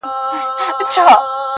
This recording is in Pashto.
نور دي دسترگو په كتاب كي.